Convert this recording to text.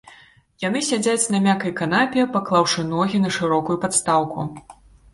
Яны сядзяць на мяккай канапе, паклаўшы ногі на шырокую падстаўку.